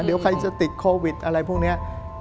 เดี๋ยวใครจะติดโควิดอะไรพวกนี้